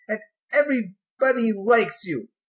And everybody likes you.